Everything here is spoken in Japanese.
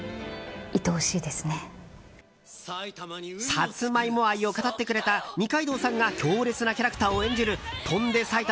サツマイモ愛を語ってくれた二階堂さんが強烈なキャラクターを演じる「翔んで埼玉」